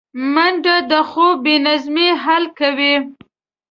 منډه د خوب بې نظمۍ حل کوي